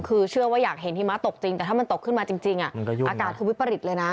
คือเชื่อว่าอยากเห็นหิมะตกจริงแต่ถ้ามันตกขึ้นมาจริงอากาศคือวิปริตเลยนะ